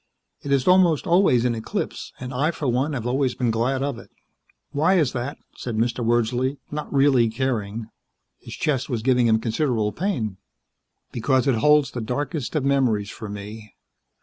It is almost always in eclipse, and I, for one, have always been glad of it." "Why is that?" said Mr. Wordsley, not really caring. His chest was giving him considerable pain. "Because it holds the darkest of memories for me.